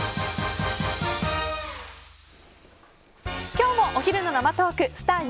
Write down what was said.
今日もお昼の生トークスター☆